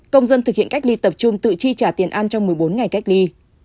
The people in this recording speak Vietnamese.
công dân thực hiện cách ly tập trung tự chi trả tiền ăn trong một mươi bốn ngày cách ly